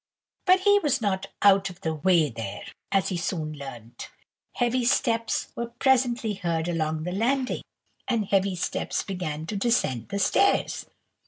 But be was not "out of the way" there, as he soon learnt. Heavy steps were presently heard along the landing, and heavy steps began to descend the stairs.